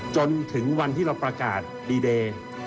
จนถึงวันที่เราประกาศดีเดย์